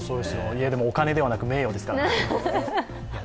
いや、でもお金ではなく名誉ですから。